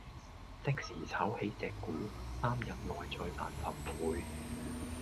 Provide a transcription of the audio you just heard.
即時炒起隻股，三日內再賺十倍